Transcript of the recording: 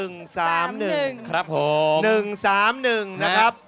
๑๓๑นะครับ